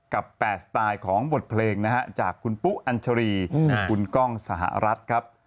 กับ๘สไตล์ของบทเพลงนะฮะจากคุณปุ๊อัญชรีคุณกล้องสหรัฐครับ